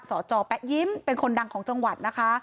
สจแป๊ะยิ้มเป็นคนดังของจังหวัดนะคะ